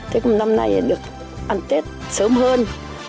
tết năm nay được ăn tết sớm hơn